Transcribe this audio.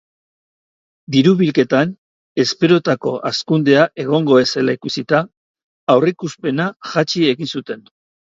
Diru-bilketan esperotako hazkundea egongo ez zela ikusita, aurreikuspena jaitsi egin zuten.